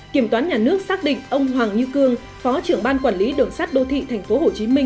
kiểm toán nhà nước xác định ông hoàng như cương phó trưởng ban quản lý đường sắt đô thị tp hcm